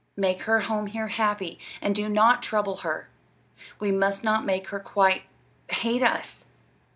Make her home here happy, and do not trouble her. We must not make her quite hate us!"